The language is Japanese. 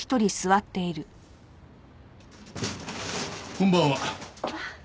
こんばんは。